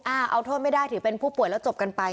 เอาโทษไม่ได้ถือเป็นผู้ป่วยแล้วจบกันไป